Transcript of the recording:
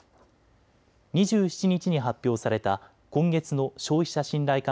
２７日に発表された今月の消費者信頼感